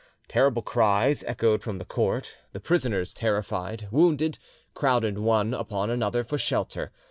Terrible cries echoed from the court; the prisoners, terrified, wounded, crowded one upon another for shelter.